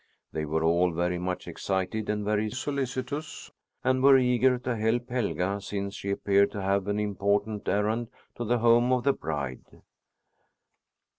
They were all very much excited and very solicitous and were eager to help Helga, since she appeared to have an important errand to the home of the bride.